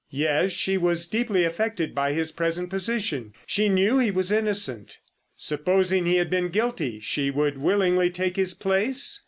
"Yes, she was deeply affected by his present position—she knew he was innocent." "Supposing he had been guilty—she would willingly take his place?"